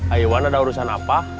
ayoan ada urusan apa